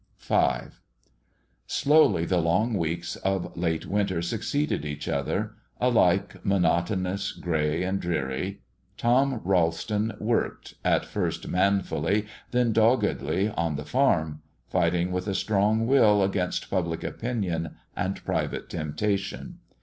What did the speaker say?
V Slowly the long weeks of late winter succeeded each other, alike monotonous, gray and dreary. Tom Ralston worked, at first manfully, then doggedly, on the farm, fighting with a strong will against public opinion and private temptation.